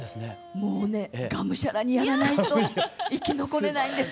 もうねがむしゃらにやらないと生き残れないんですよ。